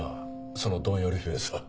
そのどんよりフェースは。